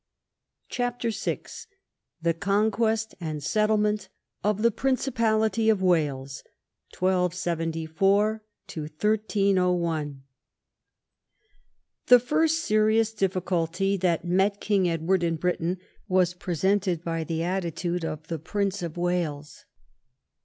CHAPTER VI THE CONQUEST AND SETTLEMENT OF THE PRINCIPALITY OF WALES 1274 1301 The first serious difficulty that met King Edward in Britain was presented by the attitude of the Prince of Wales.